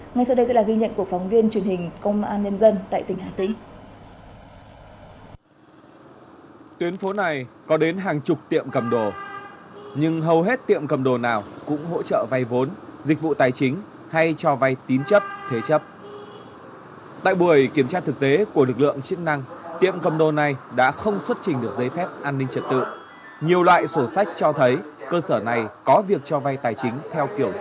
ngay sau đây sẽ là ghi nhận của phóng viên truyền hình công an nhân dân tại tỉnh hà tĩnh